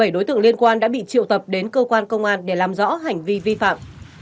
bảy đối tượng liên quan đã bị triệu tập đến cơ quan công an để làm rõ hành vi vi phạm